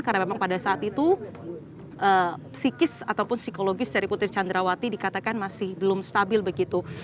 karena memang pada saat itu psikis ataupun psikologis dari putri candrawati dikatakan masih belum stabil begitu